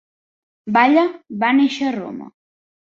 VALLA va néixer a Roma.